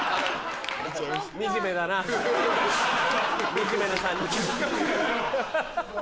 惨めな３人。